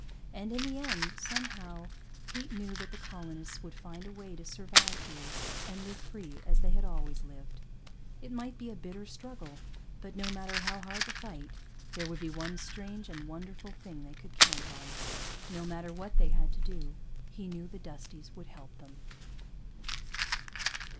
And in the end, somehow, Pete knew that the colonists would find a way to survive here and live free as they had always lived. It might be a bitter struggle, but no matter how hard the fight, there would be one strange and wonderful thing they could count on. No matter what they had to do, he knew the Dusties would help them.